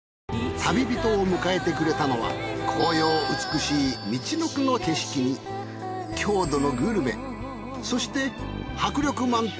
旅人を迎えてくれたのは紅葉美しいみちのくの景色に郷土のグルメそして迫力満点！